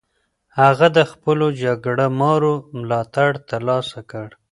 هغه د خپلو جګړه مارو ملاتړ ترلاسه کړ.